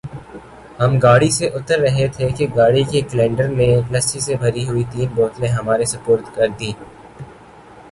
ہم گاڑی سے اتر رہے تھے کہ گاڑی کے کلنڈر نے لسی سے بھری ہوئی تین بوتلیں ہمارے سپرد کر دیں ۔